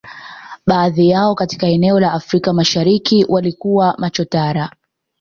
Baadhi yao katika eneo la Afrika Mashariki walikuwa machotara